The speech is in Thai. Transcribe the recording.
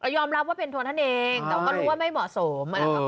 ยอมรับว่าเป็นตัวท่านเองแต่ก็รู้ว่าไม่เหมาะสม